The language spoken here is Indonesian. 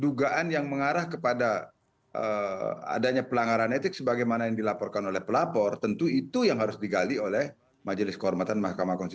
dugaan yang mengarah kepada adanya pelanggaran etik sebagaimana yang dilaporkan oleh pelapor tentu itu yang harus digali oleh majelis kehormatan mahkamah konstitusi